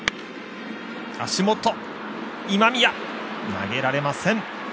投げられません。